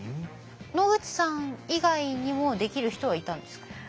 野口さん以外にもできる人はいたんですか？